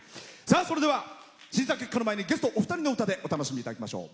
それでは、審査結果の前のゲストお二人の歌でお楽しみいただきましょう。